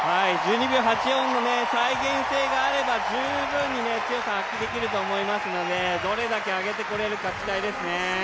１２秒８４の再現性があれば十分に強さを発揮できると思いますので、どれだけ上げてこられるか、期待ですね。